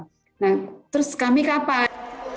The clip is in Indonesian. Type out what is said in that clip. nah terus kami kapan